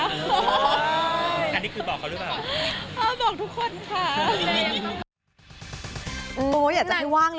อันนี้คือบอกเขาด้วยล่ะหรอ